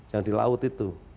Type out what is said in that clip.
yang di laut itu